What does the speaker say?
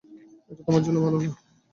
এটা তোমার জন্য ভালো না।